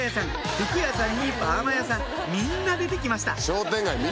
服屋さんにパーマ屋さんみんな出て来ました